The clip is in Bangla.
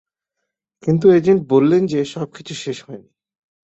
কিন্তু এজেন্ট বললেন যে, সব কিছু শেষ হয়নি।